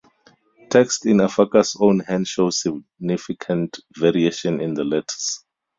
Texts in Afaka's own hand show significant variation in the letters.